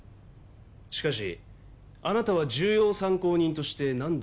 しかしあなたは重要参考人として何度も取り調べを受けた。